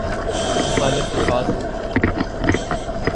مختلف الفاظ میں ملتی ہے